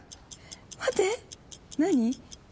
待って何？